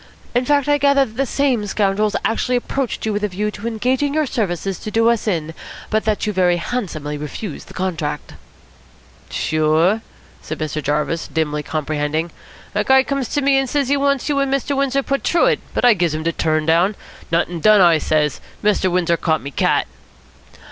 In fact, I gather that the same scoundrels actually approached you with a view to engaging your services to do us in, but that you very handsomely refused the contract." "Sure," said Mr. Jarvis, dimly comprehending. "A guy comes to me and says he wants you and Mr. Windsor put through it, but I gives him de t'run down. 'Nuttin' done,' I says. 'Mr. Windsor caught me cat.'"